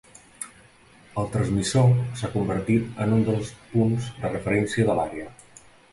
El transmissor s'ha convertit en un dels punts de referència de l'àrea.